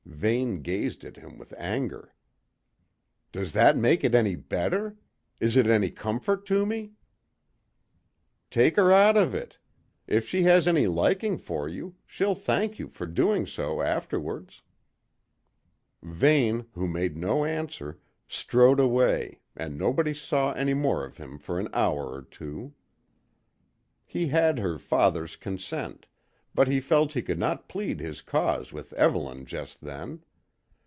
Vane gazed at him with anger. "Does that make it any better? Is it any comfort to me?" "Take her out of it. If she has any liking for you, she'll thank you for doing so afterwards." Vane, who made no answer, strode away, and nobody saw any more of him for an hour or two. He had her father's consent, but he felt he could not plead his cause with Evelyn just then.